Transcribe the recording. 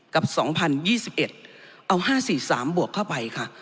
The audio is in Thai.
กับสองพันยี่สิบเอ็ดเอาห้าสี่สามบวกเข้าไปค่ะ